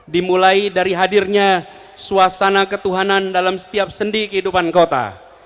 dimulai dari hadirnya suasana ketuhanan dalam setiap sendi kehidupan kota